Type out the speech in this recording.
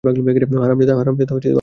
হারামজাদা, আমার নাম বাবু।